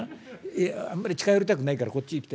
いやあんまり近寄りたくないからこっちへ来て。